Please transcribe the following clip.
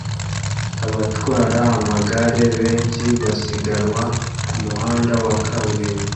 Abatwara amagare benshi basiganwa kumuhanda wa kaburimbo